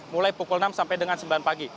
mulai pukul enam sampai dengan sembilan pagi